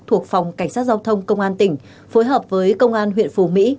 thuộc phòng cảnh sát giao thông công an tỉnh phối hợp với công an huyện phù mỹ